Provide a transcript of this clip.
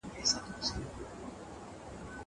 زه له سهاره د ښوونځی لپاره تياری کوم.